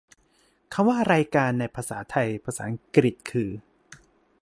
คำว่า "รายการ" ในภาษาไทย ภาษาอังกฤษคือ